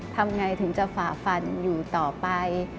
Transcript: ทำไงถึงจะฝ่าฟันอยู่ต่อไป